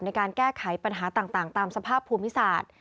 ในการแก้ไขปัญหาต่างตามสภาพภูมิศาสตร์